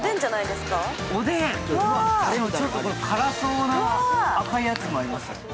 ちょっとこれ、辛そうな赤いやつもあります。